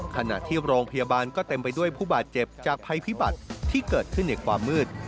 ขณะที่โรงพยาบาลก็เต็มไปด้วยผู้บาดเจ็บจากภัยพิบัติที่เกิดขึ้นในความมืด